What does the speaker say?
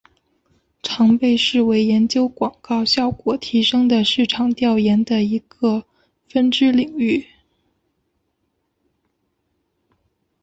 常被视为研究广告效果提升的市场调研的一个分支领域。